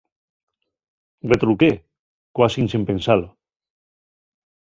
Retruqué, cuasi ensin pensalo.